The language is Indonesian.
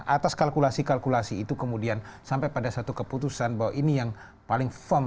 atas kalkulasi kalkulasi itu kemudian sampai pada satu keputusan bahwa ini yang paling firm